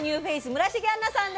村重杏奈さんです。